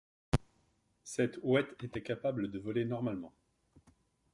Cette ouette était capable de voler normalement.